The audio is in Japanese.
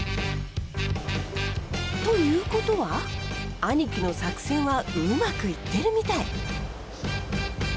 ということは兄貴の作戦はうまくいってるみたい。